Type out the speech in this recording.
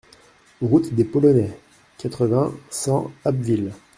Route des Polonais, quatre-vingts, cent Abbeville